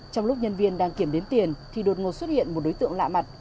trong lúc nhân viên đang kiểm đếm tiền thì đột ngột xuất hiện một đối tượng lạ mặt